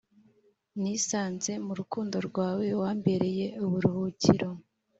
nisanze murukundo rwawe wembereye uburuhukiro